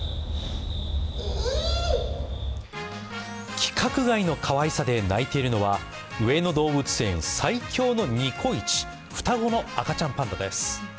規格外のかわいさで鳴いているのが上野動物園、最強のニコイチ双子の赤ちゃんパンダです。